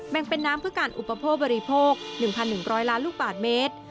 งเป็นน้ำเพื่อการอุปโภคบริโภค๑๑๐๐ล้านลูกบาทเมตร